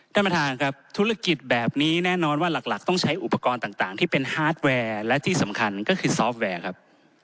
ท่านประธานครับธุรกิจแบบนี้แน่นอนว่าหลักต้องใช้อุปกรณ์ต่างที่เป็นฮาร์ดแวร์และที่สำคัญก็คือซอฟต์แวร์ครับ